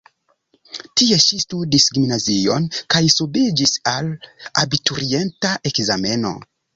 Tie ŝi studis gimnazion kaj subiĝis al abiturienta ekzameno.